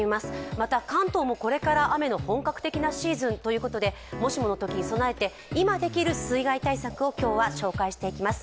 また関東もこれから雨の本格的なシーズンということで、もしものときに備えて、今できる水害対策を、今日は紹介していきます